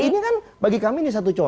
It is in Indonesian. ini kan bagi kami ini satu contoh